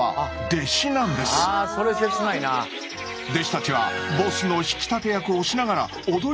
弟子たちはボスの引き立て役をしながら踊りの練習をするだけ。